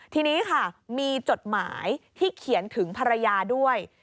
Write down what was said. ทีนี้ค่ะมีจดหมายที่เขียนถึงภรรยาด้วย